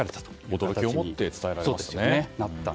驚きを持って伝えられましたね。